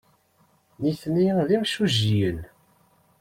Nitni d imsujjiyen.